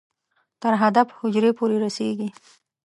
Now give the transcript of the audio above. تر هدف حجرې پورې رسېږي.